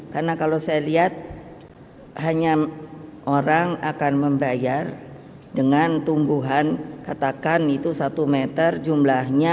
karena kalau saya lihat hanya orang akan membayar dengan tumbuhan katakan itu satu meter jumlahnya